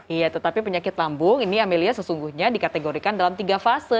iya tetapi penyakit lambung ini amelia sesungguhnya dikategorikan dalam tiga fase